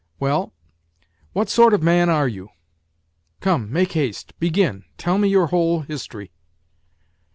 Well, what sort of man are you ? Come, make haste begin tell me your whole history."